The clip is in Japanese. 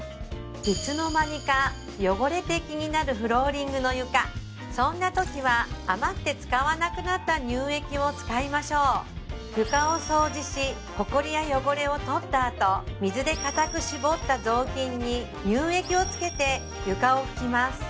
いつの間にか汚れて気になるフローリングの床そんなときは余って使わなくなった乳液を使いましょう床を掃除しホコリや汚れを取ったあと水で固く絞った雑巾に乳液をつけて床を拭きます